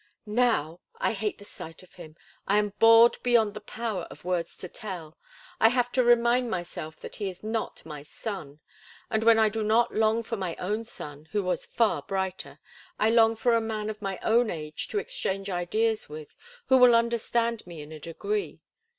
"Now! I hate the sight of him. I am bored beyond the power of words to tell. I have to remind myself that he is not my son, and when I do not long for my own son, who was far brighter, I long for a man of my own age to exchange ideas with, who will understand me in a degree.